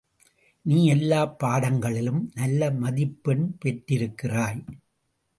நீ எல்லாப் பாடங்களிலும் நல்ல மதிப்பெண் பெற்றிருக்கிறாய்.